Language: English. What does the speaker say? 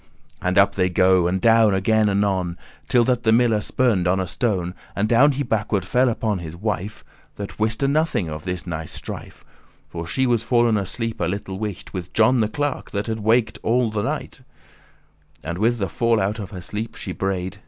And up they go, and down again anon, Till that the miller spurned* on a stone, *stumbled And down he backward fell upon his wife, That wiste nothing of this nice strife: For she was fall'n asleep a little wight* *while With John the clerk, that waked had all night: And with the fall out of her sleep she braid*.